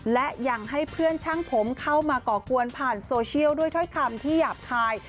และยังให้เพื่อนช่างผมเข้ามาก่อกวนผ่านโซเชียลด้วยถ้อยคำที่หยาบคาย